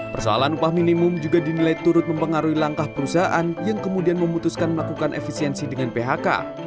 persoalan upah minimum juga dinilai turut mempengaruhi langkah perusahaan yang kemudian memutuskan melakukan efisiensi dengan phk